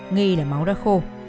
nghi là máu đất khô